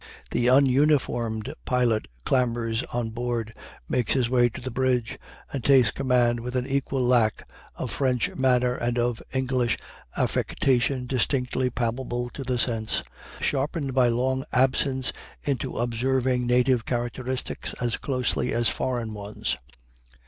The ununiformed pilot clambers on board, makes his way to the bridge, and takes command with an equal lack of French manner and of English affectation distinctly palpable to the sense, sharpened by long absence into observing native characteristics as closely as foreign ones.